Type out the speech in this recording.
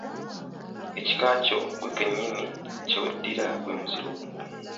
Ekika kyo ggwe kennyini kye weddira gwe muziro gwo.